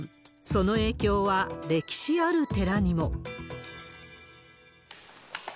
その影響は、歴史ある寺にも。